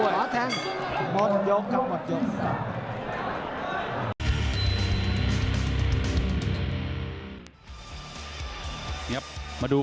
ขอแทงหมดยกกับหมดยก